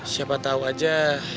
siapa tahu aja